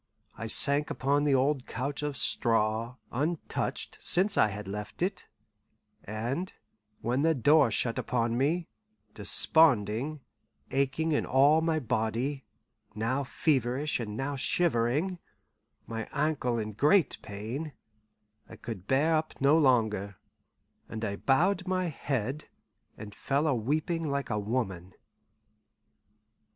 I sank upon the old couch of straw, untouched since I had left it; and when the door shut upon me, desponding, aching in all my body, now feverish and now shivering, my ankle in great pain, I could bear up no longer, and I bowed my head and fell a weeping like a woman.